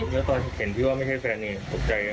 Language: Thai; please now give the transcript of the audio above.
เมื่อตอนเจ็บเห็นพี่ว่าไม่ใช่แฟนเองตกใจ